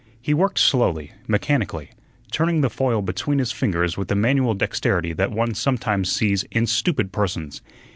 He worked slowly, mechanically, turning the foil between his fingers with the manual dexterity that one sometimes sees in stupid persons.